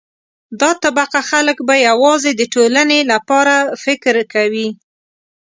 دا طبقه خلک به یوازې د ټولنې لپاره فکر کوي.